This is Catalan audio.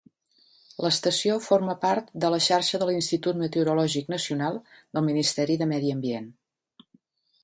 L'estació forma part de la xarxa de l’Institut Meteorològic Nacional, del Ministeri de Medi Ambient.